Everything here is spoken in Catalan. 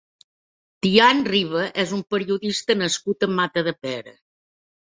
Tian Riba és un periodista nascut a Matadepera.